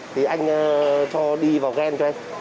thì anh cho đi vào ghen cho em